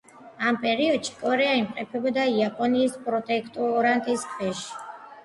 ამ პერიოდში კორეა იმყოფებოდა იაპონიის პროტექტორატის ქვეშ.